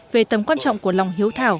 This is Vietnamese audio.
về tầm quan trọng của lòng hiếu thảo